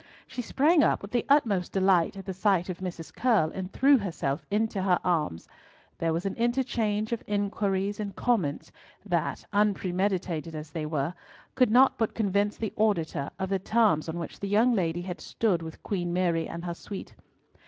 She sprang up with the utmost delight at the sight of Mrs. Curll, and threw herself into her arms. There was an interchange of inquiries and comments that—unpremeditated as they were—could not but convince the auditor of the terms on which the young lady had stood with Queen Mary and her suite.